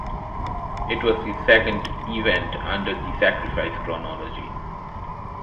It was the second event under the Sacrifice chronology.